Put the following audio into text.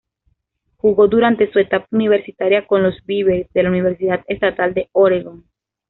Jugó durante su etapa universitaria con los "Beavers" de la Universidad Estatal de Oregón.